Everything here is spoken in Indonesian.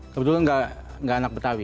kebetulan enggak anak betawi